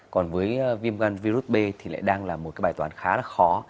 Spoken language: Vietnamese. còn với viêm gan virus b thì lại đang là một cái bài toán khá là khó